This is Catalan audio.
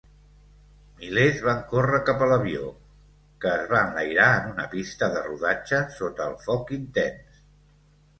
Milers van córrer cap a l'avió, que es va enlairar en una pista de rodatge sota el foc intens.